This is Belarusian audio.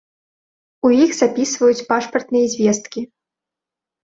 У іх запісваюць пашпартныя звесткі.